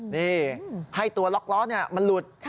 นี่ให้ตัวล็อกล้อมันหลุด